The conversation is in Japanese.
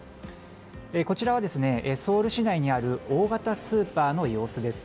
こちらはソウル市内にある大型スーパーの様子です。